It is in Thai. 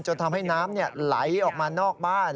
ทำให้น้ำไหลออกมานอกบ้าน